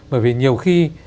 bởi vì nhiều khi